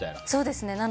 そうですね。